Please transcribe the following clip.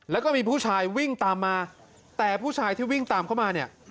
แล้วก็มีผู้ชายวิ่งตามมาแต่ผู้ชายที่วิ่งตามเข้ามาเนี่ย